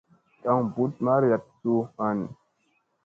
Taŋ mbut mariyat zu an.